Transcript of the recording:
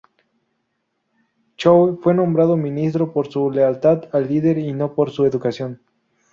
Choe fue nombrado ministro por su lealtad al líder y no por su educación.